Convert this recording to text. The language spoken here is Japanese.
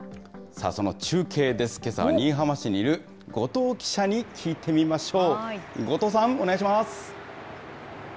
その中継です、けさは新居浜市にいる後藤記者に聞いてみましょう。